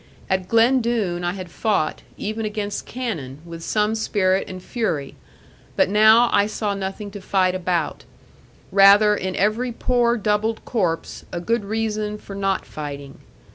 At Glen Doone I had fought, even against cannon, with some spirit and fury: but now I saw nothing to fight about; but rather in every poor doubled corpse, a good reason for not fighting.